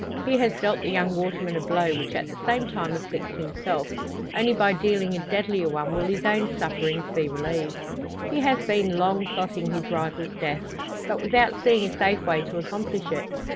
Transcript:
He has dealt the young waterman a blow which at the same time afflicts himself; only by dealing a deadlier one will his own sufferings be relieved. He has been long plotting his rival's death, but without seeing a safe way to accomplish it.